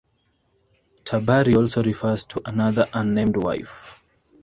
Tabari also refers to another unnamed wife.